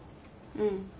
うん。